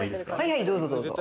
はいどうぞどうぞ。